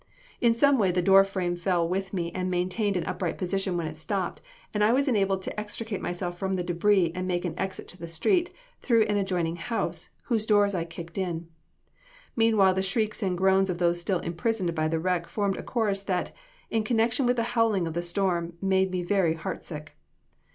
In some way the doorframe fell with me and maintained an upright position when it stopped, and I was enabled to extricate myself from the debris and make an exit to the street through an adjoining house, whose doors I kicked in. Meanwhile, the shrieks and groans of those still imprisoned by the wreck formed a chorus that, in connection with the howling of the storm, made my very heart sick.